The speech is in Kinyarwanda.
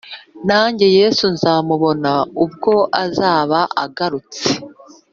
Nanjye yesu nzamubona ubwo azaba agarutse